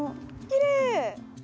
きれい！